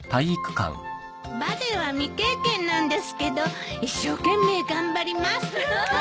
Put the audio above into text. バレーは未経験なんですけど一生懸命頑張ります。